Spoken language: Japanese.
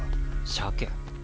しゃけ。